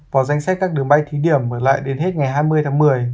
vào danh sách các đường bay thí điểm mở lại đến hết ngày hai mươi tháng một mươi